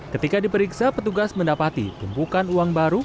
ketika diperiksa petugas mendapati tumpukan uang baru